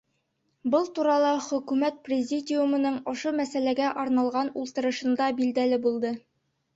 Был турала Хөкүмәт Президиумының ошо мәсьәләгә арналған ултырышында билдәле булды.